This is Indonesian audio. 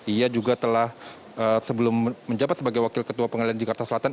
ia juga telah sebelum menjabat sebagai wakil ketua pengadilan jakarta selatan